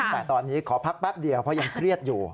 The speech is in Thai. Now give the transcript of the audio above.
แต่ตอนนี้ขอพักแป๊บเดียวเพราะยังเครียดอยู่